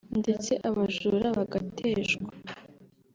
ndetse abajura bagateshwa